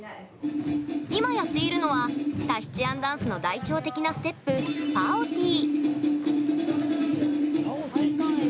今、やっているのはタヒチアンダンスの代表的なステップ、パオティ。